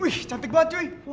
wih cantik banget cuy